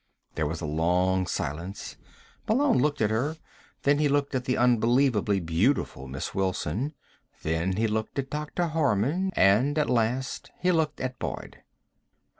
There was a long silence. Malone looked at her. Then he looked at the unbelievably beautiful Miss Wilson. Then he looked at Dr. Harman. And, at last, he looked at Boyd.